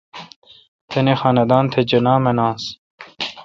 تانی خاندان تھ جناح مناس۔